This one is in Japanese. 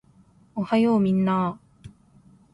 おはようみんなー